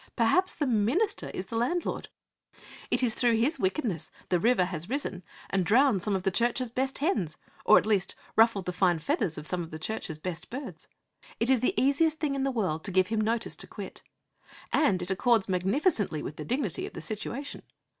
Perhaps the minister is the landlord. It is through his wickedness that the river has risen and drowned some of the Church's best hens, or at least ruffled the fine feathers of some of the Church's best birds. It is the easiest thing in the world to give him notice to quit. And it accords magnificently with the dignity of the situation.